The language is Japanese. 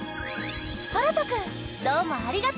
そらとくんどうもありがとう！